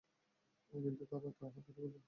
কিন্তু তারা তা হতে দেবে না।